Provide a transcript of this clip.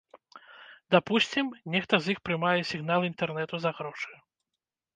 Дапусцім, нехта з іх прымае сігнал інтэрнэту за грошы.